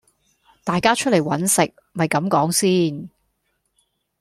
大家出嚟搵食咪咁講先